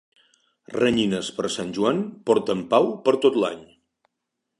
Renyines per Sant Joan porten pau per tot l'any.